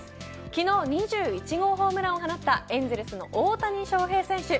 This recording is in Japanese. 昨日、２１号ホームランを放ったエンゼルスの大谷翔平選手。